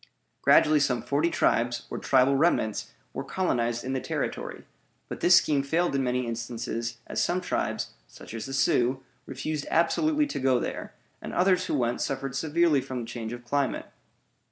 Gradually some forty tribes, or tribal remnants, were colonized in the Territory; but this scheme failed in many instances, as some tribes (such as the Sioux) refused absolutely to go there, and others who went suffered severely from the change of climate.